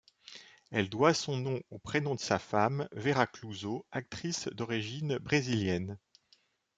Elle doit son nom au prénom de sa femme, Véra Clouzot, actrice d'origine brésilienne.